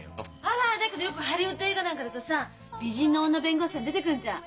あらだけどよくハリウッド映画なんかだとさ美人の女弁護士さん出てくんじゃん。あれかっこいいんだよね。